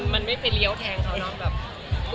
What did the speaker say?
มันไม่ไปเลี้ยวแทงเขาเนอะแบบ